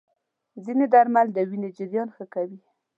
ځینې درمل د وینې جریان ښه کوي.